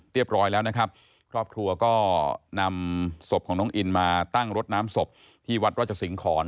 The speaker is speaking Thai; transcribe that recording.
เรียบร้อยแล้วนะครับครอบครัวก็นำศพของน้องอินมาตั้งรดน้ำศพที่วัดราชสิงหอน